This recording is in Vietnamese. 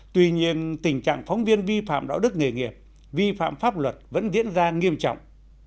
tuy nhiên tình trạng phóng viên vi phạm đạo đức nghề nghiệp vi phạm pháp luật vẫn diễn ra nghiêm trọng